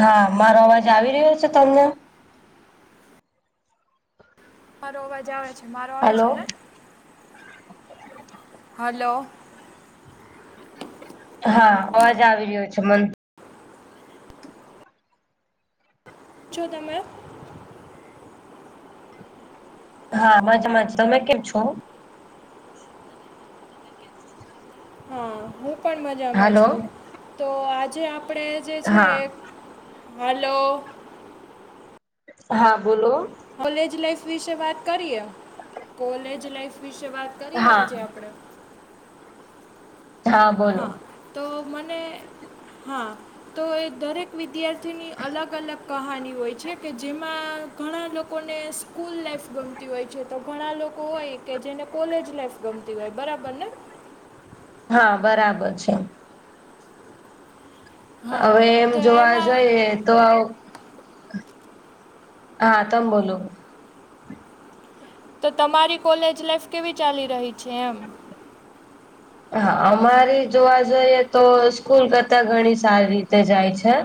હા મારો અવાજ આવી રહ્યો છે તમને. મારો અવાજ આવે છે મારો આવે હલો છે ને. હલો. હા અવાજ આવી રહ્યો છે મન છો તમે હા મજામાંજ તમે કેમ છો. હા હું પણ મજામાં હાલો છું તો આજે આપણે જે છે હા એક હાલો. હા બોલો. કોલેજ લાઈફ વિશે વાત કરીએ કોલેજ લાઈફ વિશે વાત કરીએ હા આજે આપણે. હા તો મને હા તો એ દરેક વિદ્યાર્થી થી ની અલગ અલગ કહાની હોય છે કે જેમાં ઘણા લોકોને સા સ્કૂલ લાઈફ ગમતી હોય છે તો ઘણા લોકો હોય કે જેને કોલેજ લાઈફ ગમતી હોય બરાબર ને. હા બરાબર છે. હા હવે એમ તો જોવા એમાં જઈએ તો હા તમ બોલો. તો તમારી કોલેજ લાઈફ કેવી ચાલી રહી છે એમ. હા અમારી જોવા જઈએ તો સ્કૂલ કરતા ઘણી સારી રીતે જાય છે.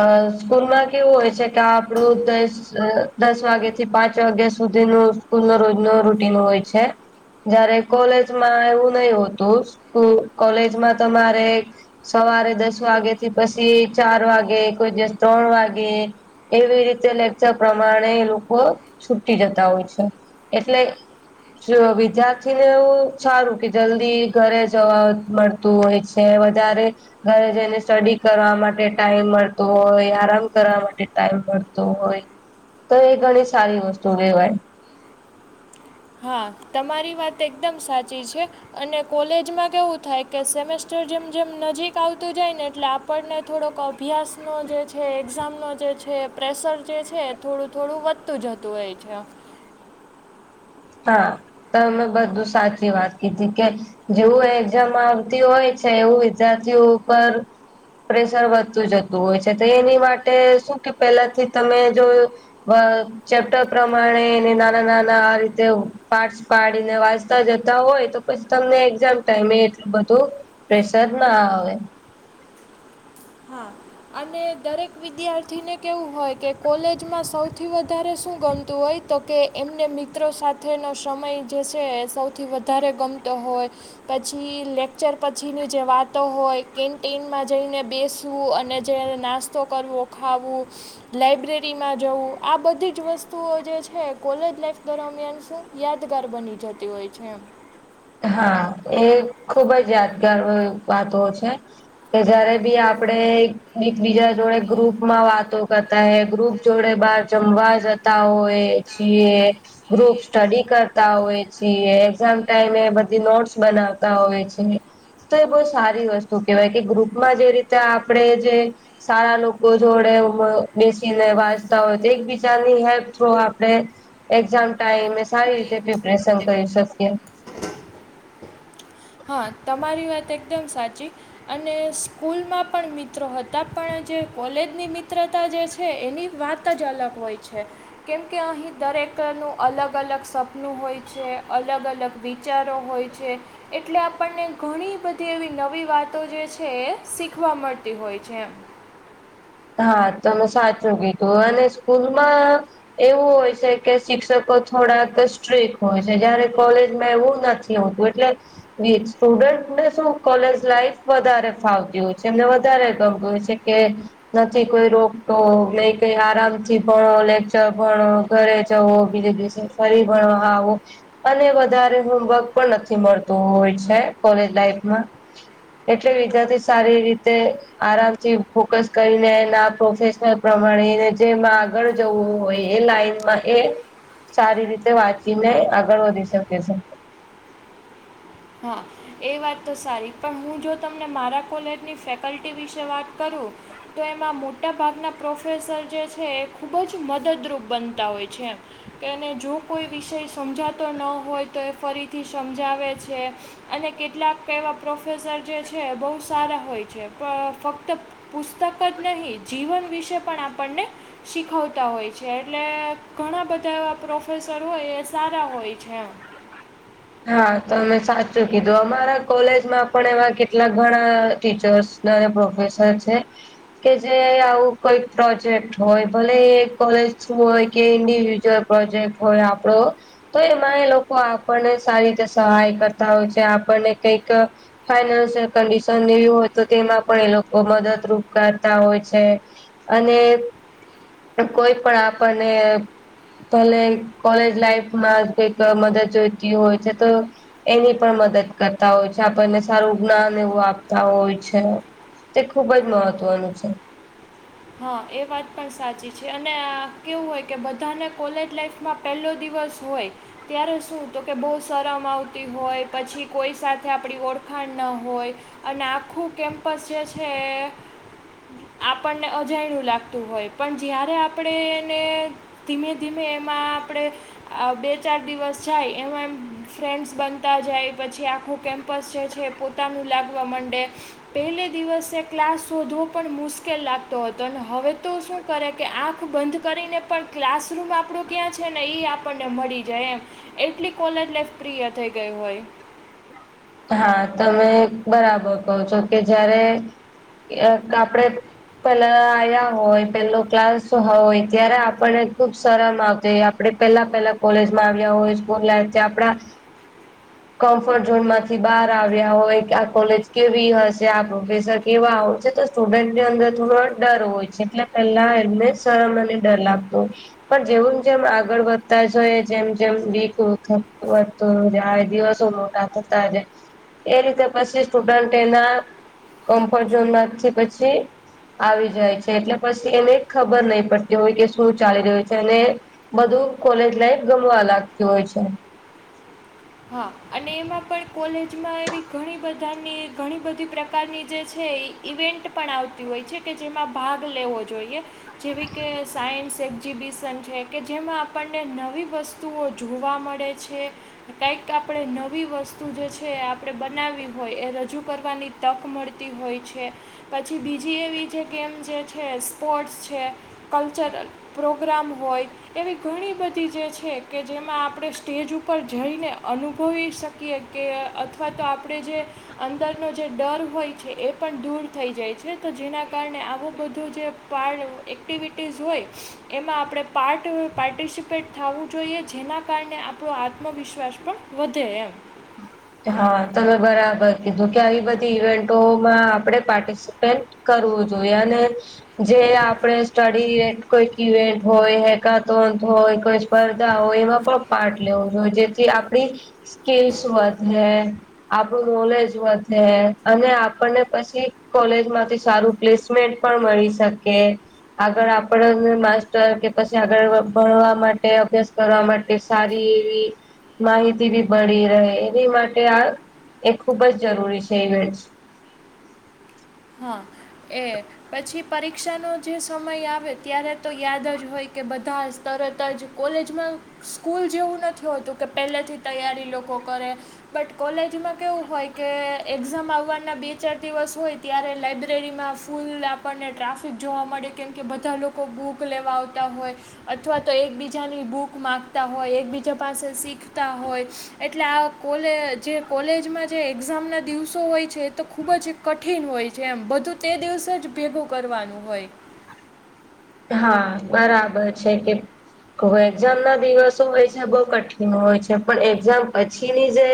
અ સ્કૂલમાં કેવું હોય છે કે આપડું [unintelligible] દસ વાગ્યા થી પાંચ વાગ્યા સુધી નુ સ્કૂલ નો રોજ નો રૂટીન હોય છે. જયારે કોલેજમાં એવું નહી હોતું કોલેજમાં તમારે સવારે દસ વાગે થી પછી ચાર વાગે કોઈ દિવસ ત્રણ વાગે એવી રીતે લેક્ચર પ્રમાણે એ લોકો છૂટી જતા હોય છે એટલે જો વિદ્યાર્થી ને એવું સારું કે જલ્દી ઘરે જવા મળ તું હોય છે વધારે ઘરે જઈને સ્ટડી કરવા માટે ટાઈમ મળ તું હોય આરામ કરવા માટે ટાઈમ મળતો હોય. તો એ ઘણી સારી વસ્તુ કહેવાય. હા તમારી વાત એકદમ સાચી છે. અને કોલેજમાં કેવું થાય કે સેમેસ્ટર જેમ જેમ નજીક આવતું જાય ને એટલે આ આપણને થોડોક અભ્યાસનો જે છે એક્ઝામનો જે છે પ્રેશર જે છે થોડું થોડું વધ તું જતું હોય છે. હા તો અમે બધું સાચી વાત કીધી કે જેવું એક્ઝામ આવતી હોય છે એવું વિદ્યાર્થીઓ ઉપર પ્રેશર વધતું જતું હોય છે તો એની માટે શું કે પેલાથી તમે જો ચેપ્ટર પ્રમાણે નાના નાના આ રી તે પાર્ટસ પાડીને વાંચતા જતા હોય તો પછી તમને એક્ઝામ ટાઈમે એટલું બધું પ્રેશર જ ના આવે હા અને દરેક વિદ્યાર્થીને કેવું હોય કે કોલેજમાં સૌથી વધારે શું ગમતું હોય તો કે એમને મિત્રો સાથેનો સમય જે છે સૌથી વધારે ગમતો હોય પછી લેક્ચર પછીની જે વાતો હોય કેન્ટીનમાં જઈને બેસવું અને જ નાસ્તો કરવો ખાવું લાઈબ્રેરીમાં જવું આ બધી જ વસ્તુઓ જે છે કોલેજ લાઈફ દરમિયાન શું યાદગાર બની જતી હોય છે હા એ ખુબ જ યાદગાર વાતો છે કે જયારે બી આપડે એકબીજા જોડે ગ્રુપ માં વાતો કરતા હ ગ્રુપ જોડે બાર જમવા જતા હોય છીએ ગ્રુપ સ્ટડી કરતા હોય છે એક્ઝામ ટાઈમે બધી નોટસ બનાવતા હોય છે તો એ બહુ સારી વસ્તુ કેહેવાય કે ગ્રુપમાં જે રીતે આપણે જે સારા લોકો જોડે બેસીને વાંચતા હોય તો એક બીજાની હેલ્પ થ્રુ આપણે એક્ઝામ ટાઈમે સારી રીતે પ્રિપરેશન કરી શકીએ હા તમારી વાત એકદમ સાચી અને સ્કૂલમાં પણ મિત્રો હતા પણ જે કોલેજની મિત્રતા જે છે એની વાત ત જઝલક હોય છે કેમકે અહીં દરેકનું અલગ અલગ સપનું હોય છે અલગ અલગ વિચારો હોય જે એટલે આપણને ઘણી બધી એવી નવી વાતો જે છે એ શીખવા મળતી હોય છે એમ હા તમે સાચું કીધું અને સ્કૂલમાં એવું હોય છે કે શિક્ષકો થોડાક સ્ટ્રીક હોય છે જયારે કોલેજમાં એવું નથી એવ હતું એટલે સ્ટુડન્ટને શું કોલેજ લાઈફ વધારે ફાવતી હોય છે એમને વધારે ગમ છે હ નથી કોઈ રોગતો ક કઈ આરામ થી ભણો લેકચર ભણો ઘરે જવો બીજે દિવસે ફરીબળવા આવો અને વધારે હોમવર્ક પણ નથી મળતું હોય છે કોલેજ લાઈફમાં એટલે વિદ્યાર્થી સારી રીતે આરામથી ફોકસ કરીને એ પ્રોફેશનલ પ્રમાણે એને જેમાં આગળ જવું હોય એ લાઈનમાં એ સારી રીતે વાંચીને આગળ વધી શકે છે હા એ વાત તો સારી પણ હું જો તમને મારા કોલેજની ફેકલ્ટી વિશે વાત કરું તો એમાં મોટા ભાગના પ્રોફેસર જે છે એ ખુબ જ મદદરૂપ બનતા હોય છે એને જો કોઈ વિષય સમજાતો ન હોય તો એ ફરીથી સમજાવે છે અને કેટલાક એવા પ્રોફેસર જે છે બહુ સારા હોય છે પણ ફક્ત પુસ્તક જ નહીં જીવન વિશે પણ આપણને શીખવતા હોય છે એટલે ઘણા બધા એવા પ્રોફેસરો હોય એ સારા હોય છે આમ હા તોમે સાચું કીધું અમારા કોલેજમાં પણ એવા કેટલા ઘણા ટીચર્સ ના પ્રોફેસર છે કે જે આવું કોઈ પ્રોજેક્ટ હોય ભલે એ કોલેજ હોય કે ઇન્ડિવિજુઅલ પ્રોજેક્ટ હોય આપડો તો એમાં એ લોકો આપણને સારી રીતે સહાય કરતા હોય છે આપણને કઈક ફાઈનાન્શિયલ કન્ડિશન જેવવી હોય તો તેમાં પણ એ લોકો મદદરૂૂપ કરતા હોય છે અને કોઈ પણ આપણને કોલેજ લાઈફમાં કઈક મદદ જોઈતી હોય છે તો એની પણ મદદ કરતા હોય છે આપણને સારું જ્ઞાન એવું આપતા હોય છે. તે ખુબ જ મહત્વનું છે. હા એ વાત પણ સાચી છે અને કેવું હોય કે બધાને કોલેજ લાઈફમાં પહેલો દિવસ હોય ત્યારે શું તો કે બહુ શરમ આવતી હોય પછી કોઈ સાથે આપણી ઓળખાણ ન હોય અને આખું કેમ્પસ જે છે આપણ ને અજાયણું લાગતું હોય પણ જ્યારે આપડે એને ધીમે ધીમે એમાં આપડે આ બે ચાર દિવસ જાય એમાં એમ ફ્રેન્ડ્સ બનતા જાય પછી આખું કેમ્પસ જે છે. પોતાનું લાગવા માંડે પહેલે દિવસે ક્લાસ શોધવો પણ મુશ્કેલ લાગ તો હતો હવે તો શું કરે કે આંખ બંધ કરીને પણ ક્લાસરૂમ આપણું ક્યાં છે ને એઈ આપણને મળી જાય એમ એટલી કોલેજ લફ પ્રિય થઈ ગઈ હોય. હા તમે બરાબર કો છો કે જયારે આપડે પેલા આયા હોય પેલો ક્લાસ હોય ત્યારે આપણને ખુબ શરમ આવતી આપણે પેલા પહેલા કોલેજમાં આવ્યા હોય સ્કૂલ લફ છે આપડા કમ્ફર્ટ ઝોન માંથી બહાર આવ્યા હોય કે આ કોલેજ કેવી હશે આ પ્રોફેસર કેવા આવ છે તો સ્ટુડન્ટની અંદર થોડો ડર હોય છે એટલે પેલા એમને સરમ અને ડર લાગતો હોય પણ જેવું જેમ આગળ વધતા જઈએ જેમ જેમ [unintelligible] જાય દિવસો મોટા થતા જ એ રીતે પછી સ્ટુડન્ટ એના કોમ્ફર્ટ ઝોનમાંથી પછી આવી જાય છે એટલે પછી એને ખબર નહી પડતી હોય કે શું ચાલી રહ્યું છે અને બધું કોલેજ લાઈફ ગમવા લાગતુ હોય છે. હા અને એમાં પણ કોલેજમાં એવી ઘણી બધાની ઘણી બધી પ્રકારની જે છે એ ઇવેન્ટ પણ આવતી હોય છે કે જેમાં ભાગ લેવો જોઈએ જેવી કે સાયન્સ એક્ઝિબિશન છે કે જેમાં આપણને નવી વસ્ વસ્તુઓ જોવા મળે છે. કંઈક આપણે નવી વસ્તુ જે છે આપણે બનાવી હોય એ રજૂ કરવાની તક મળતી હોય છે પછી બીજી એવી જે ગેમ જે છે સ્પોર્ટ્સ છે. કલ્ચર પ્રોગ્રામ હોય એવી ઘણી બધી જે છે કે જેમાં આપણે સ્ટેજ ઉપર જઈને અનુભવી શકીએ કે અથવા તો આપણે જે અંદરનો જે ડર હોય છે એ પણ દૂર થઈ જાય છે તો જેના કારણે આવું બધું જે પાર એક્ટિવિટીઝ હોય એમાં આપણે પાર્ટ પાર્ટિસિપેટ થાવું જોઈએ જેના કારણે આપણો આત્મવિશ્વાસ પણ વધે એમ હા તમે બરાબર કીધું કે આવી બધી ઇવેન્ટોમાં આપણે પાર્ટિ સીપેટ કરવું જોઈએ અને જે આપણે સ્ટડી ઇવેન્ટ કોઈક ઈવેન્ટ હોય હેકાથોન હોય કોઈ સ્પર્ધાઓ એમાં પણ પાર્ટ લેવો જોઈએ જેથી આપડી સ્કીલ્સ વધે આપણું નોલેજ વધે અને આપણને પછી કોલેજ માંથી સારું પ્લેસમેન્ટ પણ મળી શકે આગળ આપડ માસ્ટર કે પછી આગળ ભણવા માટે અભ્યાસ કરવા મા કે સારી એવી માહિતી બી મળી રહે એ માટે આ એ ખુબ જ જરૂરી છે ઇવેન્ટ. હા એ પછી પરીક્ષાનો જે સમય આવે ત્યારે તો યાદ જ હોય કે બધા તરત જ કોલેજમાં સ્કૂલ જેવું નથી હોતું કે પહેલાથી તૈયારી લોકો કરે બટ કોલેજમાં કેવું હોય કે એક્ઝામ આવવાના બે ચાર દિવસ હોય ત્યારે લાઇબ્રેરીમાં ફૂલ આપણને ટ્રાફિક જોવા મળે કેમ કે બધા લોકો બુક લેવા આવતા હોય અથવા તો એકબીજાની બુક માંગતા હોય એકબીજા પાસે શીખતા હોય. એટલે આ કોલે જે કોલેજમાં જે એક્ઝામના દિવસો હોય છે એ તો ખૂબજ કટ કઠિન હોય છે એમ બધું તે દિવસે જ ભેગું કરવાનું હોય. હા બરાબર છે કે એક્ઝામ ના દિવસો હોય છે બહ કઠિન હોય છે પણ એક્ઝામ પછીની જે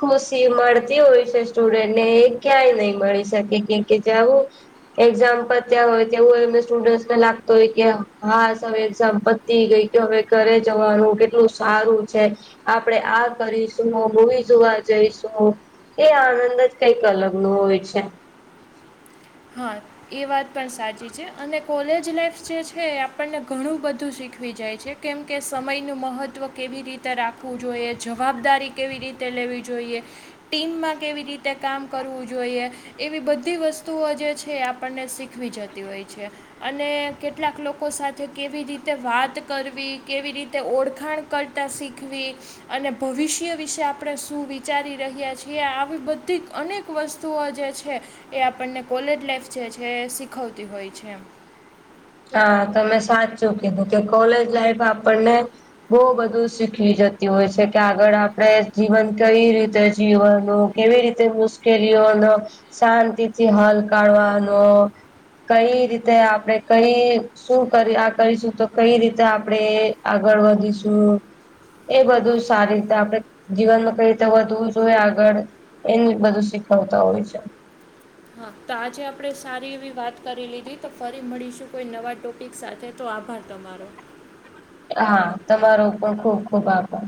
ખુશી મળતી હોય છે સ્ટુડન્ટને એ ક્યાંય નહી મળી શકે કે કે જવું એક્ઝામ પત્યા હોય તેવું સ્ટુડન્ટને લાગ તો એ કે હાસ હવે પતિ ગઈ કે હવે ઘરે જવાનું કેટલું સારું છે. આપણેે આ કરીશું મૂવી જોવા જઈશું. એ આનંદ જ કઈક અલગ નું હોય છે. હા. એ વાત પણ સાચી છે અને કોલેજ લાઈફ જે છે એ આપણને ઘણું બધું શીખવી જાય છે. કેમ કે સમયનું મહત્ત્વ કેવી રીતે રાખવું જોઈએ જવાબદારી કેવી રીતે લેવી જોઈએ ટીમમાં કેવી રીતે કામ કરવું જોઈએ એવી બધી વસ્તુ વસ્તુઓ જે છે એ આપણને શીખવી જતી હોય છે. અને કેટલાક લોકો સાથે કેવી રીતે વાત કરવી કેવી રીતે ઓળખાણ કરટા સીખવી અને ભવિષ્ય વિશે આપણે શું વિચારી રહ્યા છીએ આવી બધી અનેક મૂક વસ્તુઓ જે છે એ આપણને કોલેજ લાઈફ જે છે એ શીખવતી હોય છે. હા તમે સાચું કીધું કે કોલેજ લાઈફ આપણને બહુ બધું શીખી જતી હોય છે કે આગળ આપડે જીવન કઈ રીતે જીવનું કેવી રીતે મુશ્કેલીઓનો શાંતિ થી હલ કાઢવાનો કઈ રીતે આપડે કઈ શું કરી આ કરીશું તો કઈ રીતે આપણે આગળ વધીશું. એ બધું સારી રીતે આપડણે જીવનમાં કઈ રીતે વધવું જોઈએ આગળ એને બધું શીખવતા હોય છે. હા તો આજે આપણે સારી એવી વાત કરી લીધી તો ફરી મળીશું કોઈ નવા ટોપ પિક સાથે તો આભાર તમારો. હા તમારો પણ ખુબ ખુબ આભાર.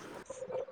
હ [inaudible]